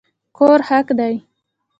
کور حق دی